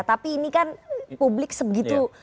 tapi ini kan publik sebegitu